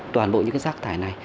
toàn bộ những rác thải này